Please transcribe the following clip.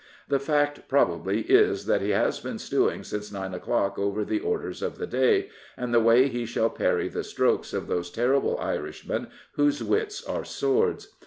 The fact probably is that he has been stewing since nine o'clock over the " Orders of the Day," and the way he shall parry the strokes of those terrible Irishmen whose wits are swords.